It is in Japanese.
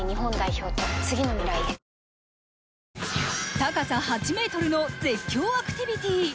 高さ８ｍの絶叫アクティビティー。